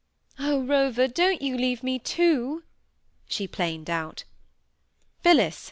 "Oh, Rover, don't you leave me, too," she plained out. "Phillis!"